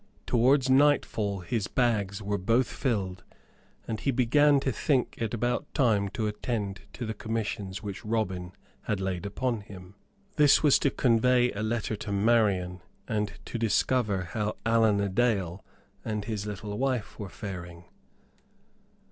Towards nightfall his bags were both filled, and he began to think it about time to attend to the commissions which Robin had laid upon him. This was to convey a letter to Marian, and to discover how Allan a Dale and his little wife were faring.